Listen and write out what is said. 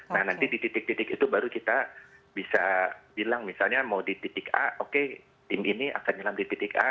nah nanti di titik titik itu baru kita bisa bilang misalnya mau di titik a oke tim ini akan nyelam di titik a